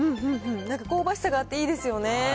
なんか香ばしさがあっていいですよね。